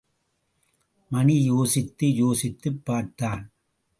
மணி யோசித்து யோசித்துப் பார்த்தான்.